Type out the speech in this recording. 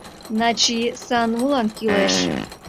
Начи Санулан кӱлеш...